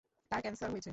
তার ক্যান্সার হয়েছে।